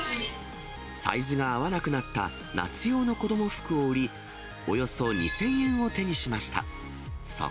サイズが合わなくなった夏用の子ども服を売り、およそ２０００円を手にしました。